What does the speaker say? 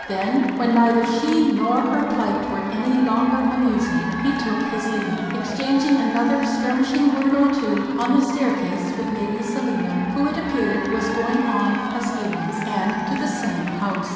Then, when neither she nor her plight were any longer amusing, he took his leave, exchanging another skirmishing word or two on the staircase with Lady Selina, who it appeared was "going on" as he was, and to the same house.